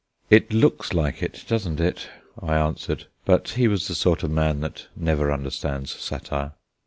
"It looks like it, doesn't it?" I answered. But he was the sort of man that never understands satire.